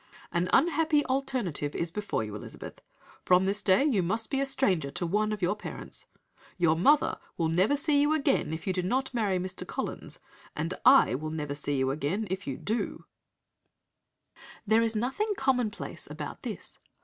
"'An unhappy alternative is before you, Elizabeth. From this day you must be a stranger to one of your parents. Your mother will never see you again if you do not marry Mr. Collins, and I will never see you again if you do.'" There is nothing "commonplace" about this.